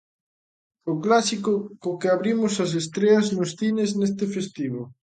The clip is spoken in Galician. O clásico co que abrimos as estreas nos cines neste festivo.